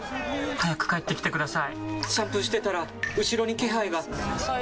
早く帰ってきてください！